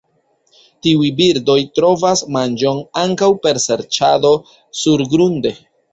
Tiuj birdoj trovas manĝon ankaŭ per serĉado surgrunde.